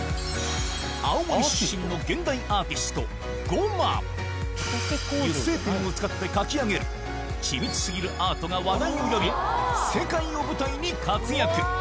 青森出身の油性ペンを使って描き上げる緻密過ぎるアートが話題を呼び世界を舞台に活躍